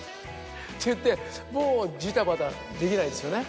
って言ってもうジタバタできないですよね。